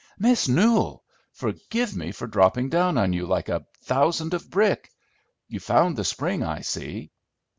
"Miss Newell! Forgive me for dropping down on you like a thousand of brick! You've found the spring, I see."